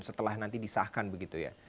setelah nanti disahkan begitu ya